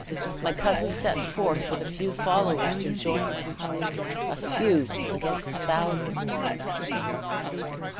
My cousin set forth with a few followers to join him a few against thousands."